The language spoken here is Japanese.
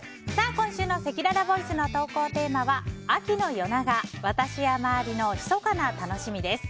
今週のせきららボイスの投稿テーマは秋の夜長私や周りの密かな楽しみです。